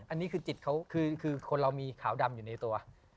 อันนี้คือจิตเขาคือคนเรามีขาวดำอยู่ในตัว